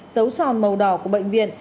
dấu tròn màu đỏ của bệnh viện